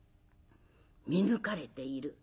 見抜かれている。